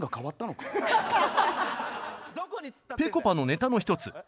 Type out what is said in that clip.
ぺこぱのネタの１つ。